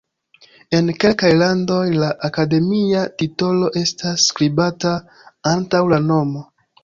En kelkaj landoj la akademia titolo estas skribata antaŭ la nomo.